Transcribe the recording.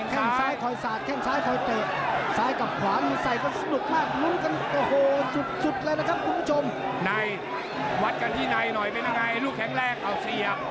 ไหนวัดกันที่ไหนหน่อยเป็นยังไงลูกแข็งแรกเขาเสีย